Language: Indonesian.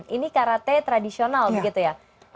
ini karate tradisional begitu ya